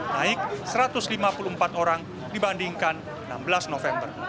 naik satu ratus lima puluh empat orang dibandingkan enam belas november